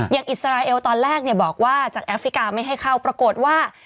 อิสราเอลตอนแรกบอกว่าจากแอฟริกาไม่ให้เข้าปรากฏว่า